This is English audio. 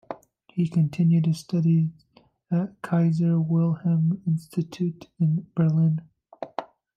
He continued his studies at Kaiser Wilhelm Institut in Berlin.